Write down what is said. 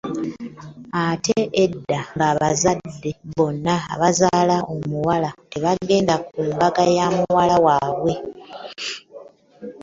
Ate edda ng’abazadde bonna abazaala omuwala tebagenda ku mbaga ya muwala waabwe.